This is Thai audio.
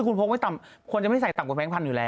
คุณพบมั้ยต่ำควรจะไม่ใช้ต่ำกว่าแบงค์พันธุ์อยู่แล้ว